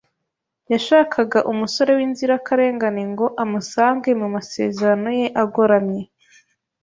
Yashakaga umusore w'inzirakarengane ngo amusange mu masezerano ye agoramye .